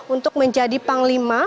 untuk menjadi panglima